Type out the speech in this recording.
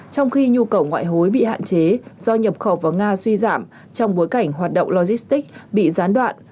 trong khi nhu cầu ngoại hối bị hạn chế do nhập khẩu vào nga suy giảm trong bối cảnh hoạt động logistics bị gián đoạn